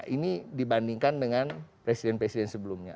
ini dibandingkan dengan presiden presiden sebelumnya